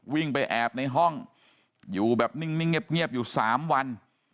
วิ่งไปแอบในห้องอยู่แบบนิ่งเงียบอยู่๓วัน